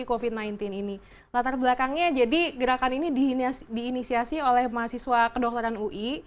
covid sembilan belas ini latar belakangnya jadi gerakan ini diinisiasi oleh mahasiswa kedokteran ui